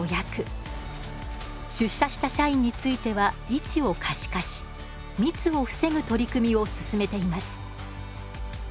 出社した社員については位置を可視化し密を防ぐ取り組みを進めています。